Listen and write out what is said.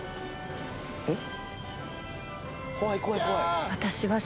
えっ？